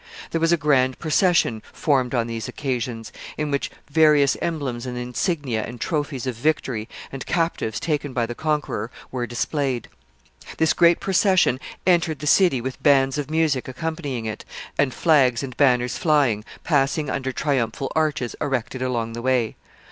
There was a grand procession formed on these occasions, in which various emblems and insignia, and trophies of victory, and captives taken by the conqueror, were displayed. This great procession entered the city with bands of music accompanying it, and flags and banners flying, passing under triumphal arches erected along the way.